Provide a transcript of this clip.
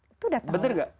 itu udah tahu